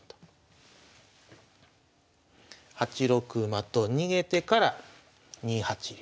８六馬と逃げてから２八竜。